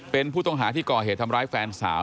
เป็นผู้ต้องหาที่ก่อเหตุทำร้ายแฟนสาว